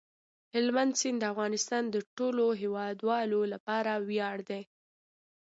هلمند سیند د افغانستان د ټولو هیوادوالو لپاره ویاړ دی.